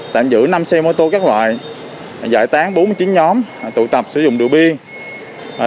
tạm giữ năm xe mô tô các loại giải tán bốn mươi chín nhóm tụ tập sử dụng rượu bia